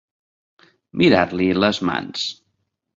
Mirar-li les mans.